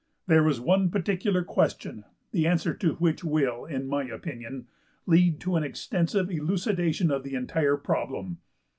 There is one particular question the answer to which will, in my opinion, lead to an extensive elucidation of the entire problem.